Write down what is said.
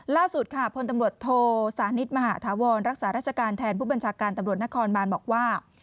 ล่าสุดค่ะพลตำรวจโทสานิทมหาธาวรรักษาราชการแทนผู้บัญชาการตำรวจนครบานบอกว่า